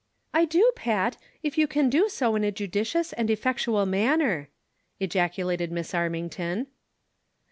"I do, Pat, if you can do so in a judicious and effectual manner," ejaculated Miss Armington.